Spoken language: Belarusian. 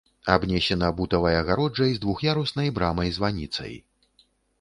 Абнесена бутавай агароджай з двух'яруснай брамай-званіцай.